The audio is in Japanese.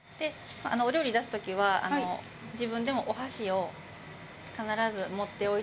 お料理を出す時は自分でもお箸を必ず持っておいてください。